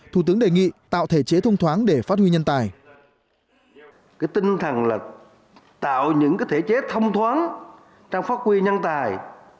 thủ tướng đề nghị tạo thể chế thông thoáng để phát huy nhân tài